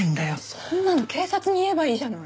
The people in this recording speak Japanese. そんなの警察に言えばいいじゃない。